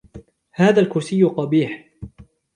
هذا الكرسي قبيح.